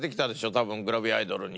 多分グラビアアイドルに。